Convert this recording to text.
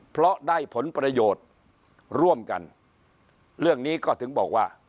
เพราะได้ผลประโยชน์ร่วมกันเรื่องนี้ก็ถึงบอกว่า